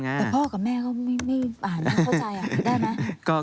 แต่พ่อกับแม่เขาไม่อ่านไม่เข้าใจได้ไหม